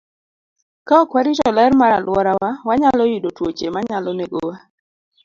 Ka ok warito ler mar alworawa, wanyalo yudo tuoche manyalo negowa.